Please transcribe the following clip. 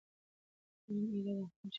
نن ایله دهقان شیندلي دي تخمونه